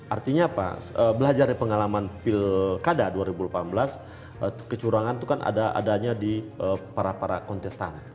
artinya apa belajar dari pengalaman pilkada dua ribu delapan belas kecurangan itu kan adanya di para para kontestan